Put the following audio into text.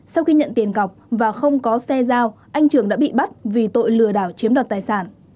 sau khi nhận tiền cọc và không có xe giao anh trường đã bị bắt vì tội lừa đảo chiếm đoạt tài sản